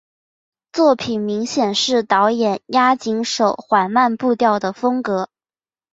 作品明显是导演押井守缓慢步调的风格。